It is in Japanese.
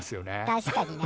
確かにな。